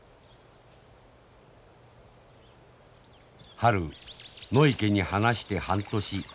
春野池に放して半年。